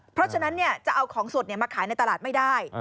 เพราะฉะนั้นจะเอาของสดมาขายในตลาดไม่ได้